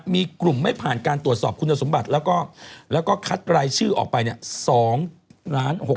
มีกลุ่มไม่ผ่านการตรวจสอบคุณสมบัติแล้วก็คัดรายชื่อออกไปเนี่ย